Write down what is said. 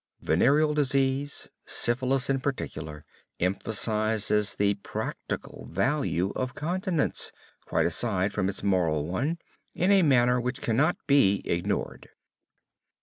Venereal disease, syphilis in particular, emphasizes the practical value of continence quite aside from its moral one in a manner which cannot be ignored!